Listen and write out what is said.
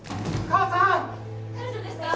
母さん！